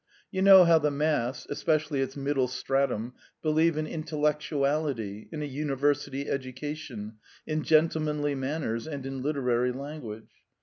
You know how the mass, especially its middle stratum, believe in intellectuality, in a university education, in gentlemanly manners, and in literary language.